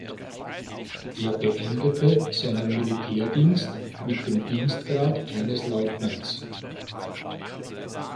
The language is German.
Er beendete seinen Militärdienst mit dem Dienstgrad eines Leutnants.